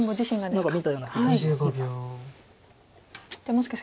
何か見たような気がします。